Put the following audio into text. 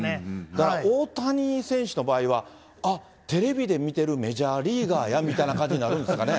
だから大谷選手の場合は、あっ、テレビで見てるメジャーリーガーやみたいな感じになるんですかね。